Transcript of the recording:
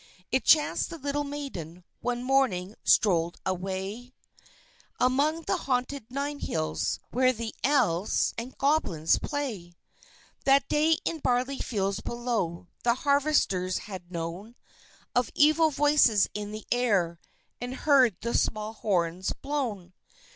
It chanced the little maiden, one morning, strolled away Among the haunted Nine Hills, where the Elves and Goblins play. That day, in barley fields below, the harvesters had known Of evil voices in the air, and heard the small horns blown.